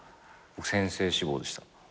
先生志望でした。